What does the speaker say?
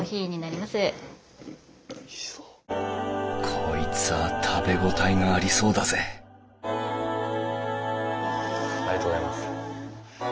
こいつは食べ応えがありそうだぜありがとうございます。